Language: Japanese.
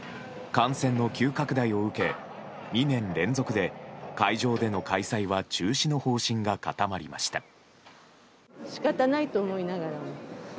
感染の急拡大を受け、２年連続で会場での開催は中止の方針が固まりました。